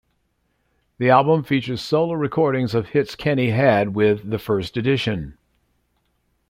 The album features solo re-recordings of hits Kenny had with The First Edition.